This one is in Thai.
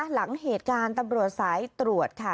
หลังเหตุการณ์ตำรวจสายตรวจค่ะ